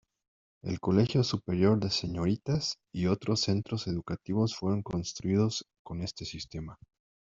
El colegio Superior de Señoritas y otros centros educativos fueron construidos con este sistema.